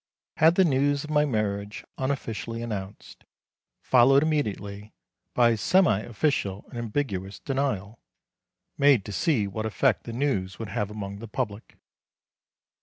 Had the news of my marriage unofficially announced, followed immediately by a semi official and ambiguous denial, made to see what effect the news would have among the public.